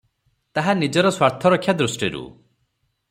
ତାହା ନିଜର ସ୍ୱାର୍ଥ ରକ୍ଷା ଦୃଷ୍ଟିରୁ ।